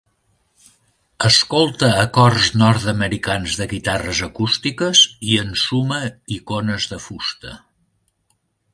Escolta acords nord-americans de guitarres acústiques i ensuma icones de fusta.